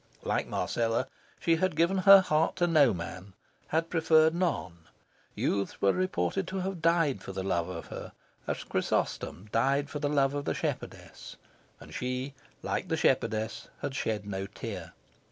Like Marcella, she had given her heart to no man, had preferred none. Youths were reputed to have died for love of her, as Chrysostom died for love of the shepherdess; and she, like the shepherdess, had shed no tear.